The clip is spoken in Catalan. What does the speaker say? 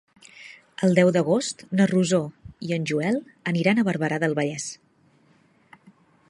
El deu d'agost na Rosó i en Joel aniran a Barberà del Vallès.